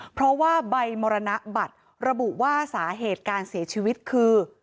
เพราะว่าใบมรณบัตรระบุว่าสาเหตุการเสียชีวิตคือ